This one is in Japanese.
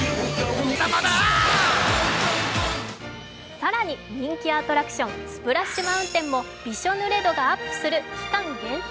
更に人気アトラクションスプラッシュ・マウンテンもびしょ濡れ度がアップする期間限定